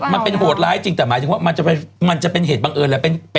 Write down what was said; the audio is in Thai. มันเป็นโหดร้ายจริงแต่หมายถึงว่ามันจะเป็นเหตุบังเอิญแหละ